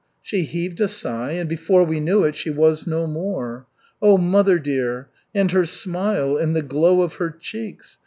She heaved a sigh, and before we knew it, she was no more. Oh, mother dear! And her smile, and the glow of her cheeks!